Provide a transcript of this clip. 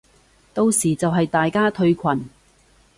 到時就係大家退群